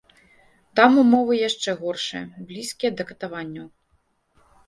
Там умовы яшчэ горшыя, блізкія да катаванняў.